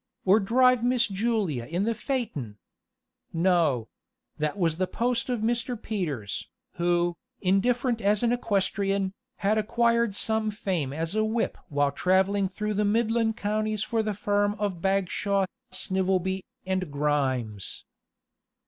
"Or drive Miss Julia in the phaeton?" No; that was the post of Mr. Peters, who, indifferent as an equestrian, had acquired some fame as a whip while traveling through the midland counties for the firm of Bagshaw, Snivelby, and Ghrimes.